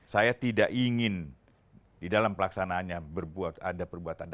saya tidak ingin di dalam pelaksanaannya ada perbuatan